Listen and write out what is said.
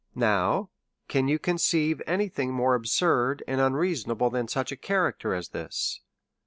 Now, can you conceive any thing more absurd and unreasonable than such a character as this